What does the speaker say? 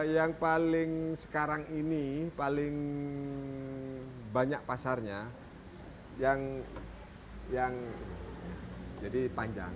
yang paling sekarang ini paling banyak pasarnya yang jadi panjang